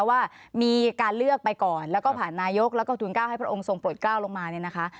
ว่ามีการเลือกไปก่อนแล้วก็ผ่านนายกแล้วก็ทุน๙ให้พระองค์ทรงโปรดก้าวลงมาเนี่ยนะคะ